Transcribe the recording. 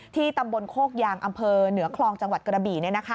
ตำบลโคกยางอำเภอเหนือคลองจังหวัดกระบี่